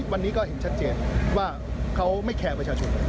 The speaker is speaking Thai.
วันนี้ก็เห็นชัดเจนว่าเขาไม่แคร์ประชาชน